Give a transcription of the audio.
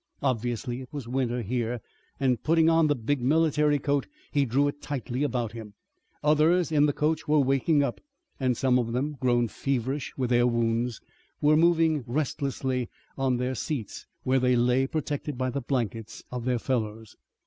Obviously it was winter here and putting on the big military coat he drew it tightly about him. Others in the coach were waking up and some of them, grown feverish with their wounds, were moving restlessly on their seats, where they lay protected by the blankets of their fellows.